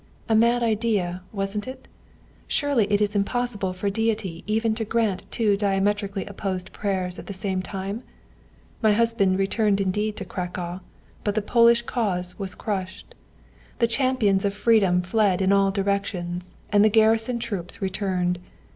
A mad idea, wasn't it? Surely it is impossible for Deity even to grant two diametrically opposite prayers at the same time? My husband returned indeed to Cracow, but the Polish cause was crushed. The champions of freedom fled in all directions, and the garrison troops returned.